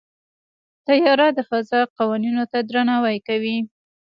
طیاره د فضا قوانینو ته درناوی کوي.